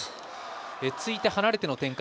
突いて離れての展開